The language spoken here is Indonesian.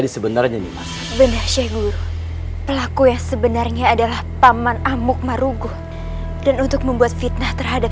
sebenarnya pelaku yang sebenarnya adalah paman amuk maruguh dan untuk membuat fitnah terhadap